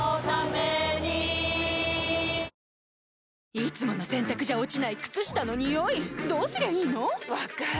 いつもの洗たくじゃ落ちない靴下のニオイどうすりゃいいの⁉分かる。